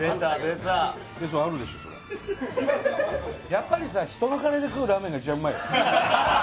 やっぱりさ人の金で食うラーメンが一番うまいよ。